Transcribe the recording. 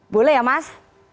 boleh ya mas